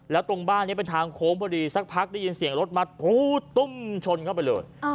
แล้วตรงบ้านนี้เป็นทางโค้งพอดีสักพักได้ยินเสียงรถมาตุ้มชนเข้าไปเลย